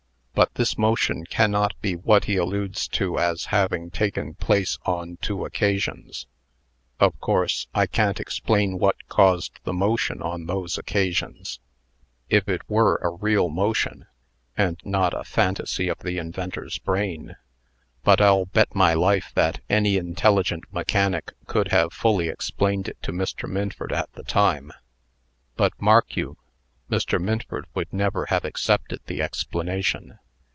But this motion cannot be what he alludes to as having taken place on two occasions. Of course, I can't explain what caused the motion on those occasions if it were a real motion, and not a fantasy of the inventor's brain but I'll bet my life that any intelligent mechanic could have fully explained it to Mr. Minford at the time. But, mark you, Mr. Minford would never have accepted the explanation.